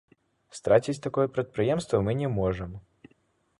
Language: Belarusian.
Страціць такое прадпрыемства мы не можам.